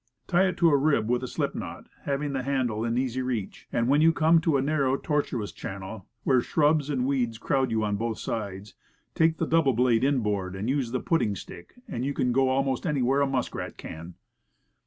Tie it to a rib with a slip knot, having the handle in easy reach, and when you come to arliarrow, tortuous channel, where shrubs and weeds crowd you on both sides, take the double blade inboard, use the pudding stick, and you can go almost anywhere that a musk rat can.